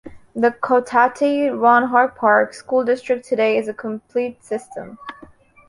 The Cotati-Rohnert Park School District today is a complete system.